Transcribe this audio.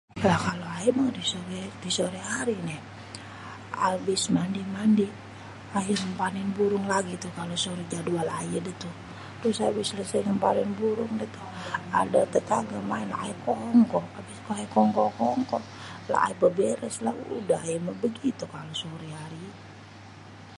Lah kalo ayé méh disore hari néh abis mandi-mandi ayé ngémpanin burung lagi tuh kalo sore jadwal ayé dé tuh. terus abis ngempanin burung itu adéh tetanggé maén ayé kongkow, abis ayé kongko-kongko lah ayé béberes lah udah ayé méh begitu kalo soré hari.